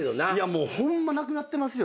ホンマなくなってますよ